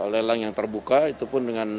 lelang yang terbuka itu pun dengan